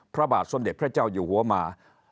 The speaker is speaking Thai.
พระบาทสมเด็จพระเจ้าอยู่หัวมา